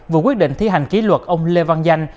vừa quyết định thi hành kỷ luật ông lê văn danh